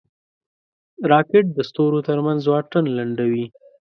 راکټ د ستورو ترمنځ واټن لنډوي